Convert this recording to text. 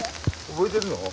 覚えてるの？